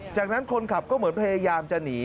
จากนั้นคนขับก็เหมือนพยายามจะหนี